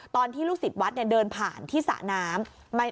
ตอนที่ลูกศิษย์วัดเดินผ่านที่สระน้ำ